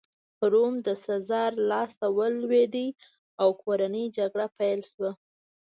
روم د سزار لاسته ولوېد او کورنۍ جګړه پیل شوه